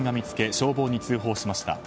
消防に通報しました。